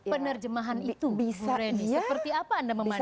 penerjemahan itu bu reni seperti apa anda memandangnya